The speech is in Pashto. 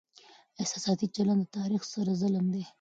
احساساتي چلند له تاريخ سره ظلم دی.